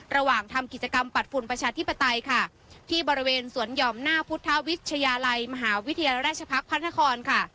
ระหว่างทำกิจกรรมปัดฝุ่นประชาธิปไตยค่ะที่บริเวณสวนหย่อมหน้าพุทธวิทยาลัยมหาวิทยาลัยราชพักษ์พระนครค่ะ